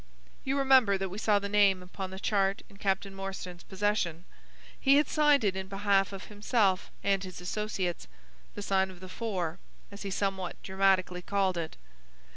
You remember that we saw the name upon the chart in Captain Morstan's possession. He had signed it in behalf of himself and his associates,—the sign of the four, as he somewhat dramatically called it.